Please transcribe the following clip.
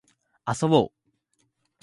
遊ぼう